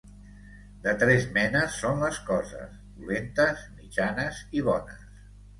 De tres menes són les coses: dolentes, mitjanes i bones.